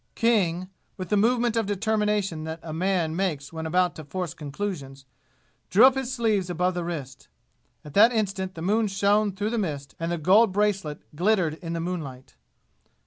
King, with the movement of determination that a man makes when about to force conclusions, drew up his sleeves above the wrist. At that instant the moon shone through the mist and the gold bracelet glittered in the moonlight.